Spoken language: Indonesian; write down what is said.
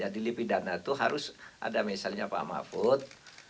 di pidana itu harus ada misalnya pak mahfud